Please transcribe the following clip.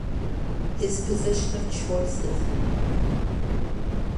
His position of choice is Wing.